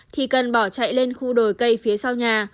thì cần bỏ chạy lên khu đồi cây phía sau nhà